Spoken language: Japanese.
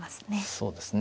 そうですね。